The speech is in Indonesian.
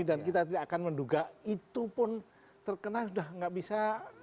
dan kita tidak akan menduga itu pun terkena sudah gak bisa